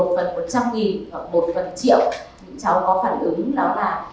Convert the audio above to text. một phần một trăm linh và một phần triệu những cháu có phản ứng đó là